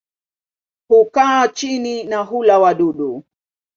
Hukaa chini na hula wadudu.